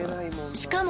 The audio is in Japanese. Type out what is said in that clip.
しかも。